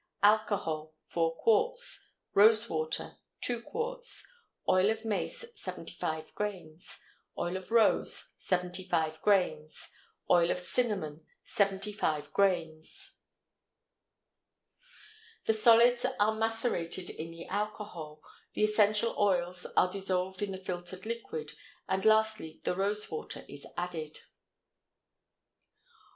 Alcohol 4 qts. Rose water 2 qts. Oil of mace. 75 grains. Oil of rose 75 grains. Oil of cinnamon 75 grains. The solids are macerated in the alcohol, the essential oils are dissolved in the filtered liquid, and lastly the rose water is added.